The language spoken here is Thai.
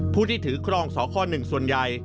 ผู้ที่ถือครองสค๑ส่วนใหญ่